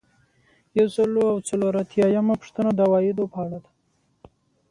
یو سل او څلور اتیایمه پوښتنه د عوایدو په اړه ده.